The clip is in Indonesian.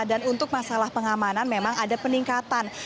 dan untuk masalah pengamanan memang ada peningkatan